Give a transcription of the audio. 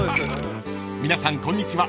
［皆さんこんにちは